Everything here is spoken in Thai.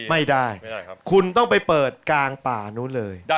ไม่ได้คุณต้องไปเปิดกลางป่านู้นเลย